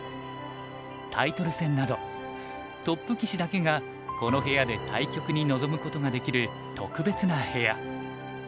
タイトル戦などトップ棋士だけがこの部屋で対局に臨むことができる特別な部屋。